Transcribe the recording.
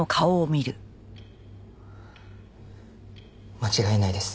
間違いないです。